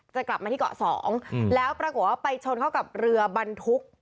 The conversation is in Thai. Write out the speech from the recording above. จะกลับมาที่เกาะสองแล้วปรากฏว่าไปชนเข้ากับเรือบรรทุก